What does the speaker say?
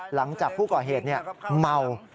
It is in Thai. หลังจากผู้เกาะเหตุเนี่ยเมา